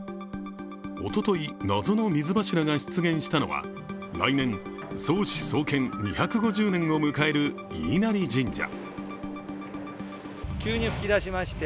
おととい、謎の水柱が出現したのは来年、創始創建２５０年を迎える飯生神社。